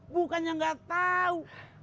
bukannya gak tau